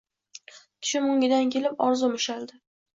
Tushim o‘ngidan kelib, orzum ushaldi